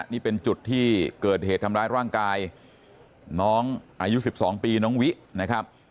นี่เป็นจุดที่เกิดเหตุทำร้ายร่างกายน้องอายุ๑๒ปีน้องวินะครับ